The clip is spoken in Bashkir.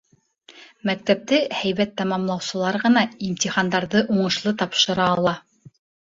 Мәктәпте һәйбәт тамамлаусылар ғына имтихандарҙы уңышлы тапшыра ала